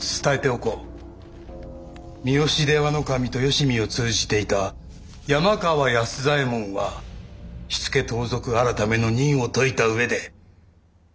三好出羽守とよしみを通じていた山川安左衛門は火付盗賊改の任を解いた上で謹慎といたした。